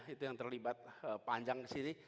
itu yang terlibat panjang kesini